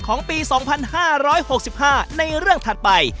ของปี๒๕๖๕ในเรื่องถัดไป